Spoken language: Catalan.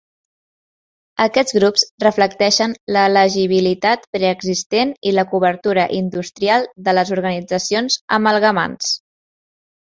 Aquests grups reflecteixen l'elegibilitat preexistent i la cobertura industrial de les organitzacions amalgamants.